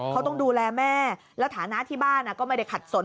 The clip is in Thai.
เขาต้องดูแลแม่แล้วฐานะที่บ้านก็ไม่ได้ขัดสน